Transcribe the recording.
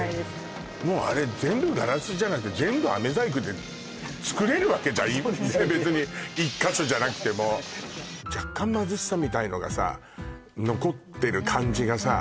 もうあれ全部ガラスじゃなくて全部アメ細工で作れるわけじゃん別に１カ所じゃなくても若干貧しさみたいのがさ残ってる感じがさ